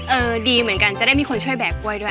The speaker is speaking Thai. ดีเหมือนกันจะได้มีคนช่วยแบกกล้วยด้วย